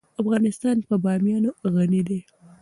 افغانستان په بامیان غني دی.